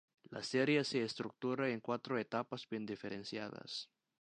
La serie se estructura en cuatro etapas bien diferenciadas.